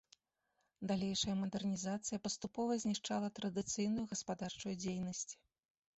Далейшая мадэрнізацыя паступова знішчала традыцыйную гаспадарчую дзейнасць.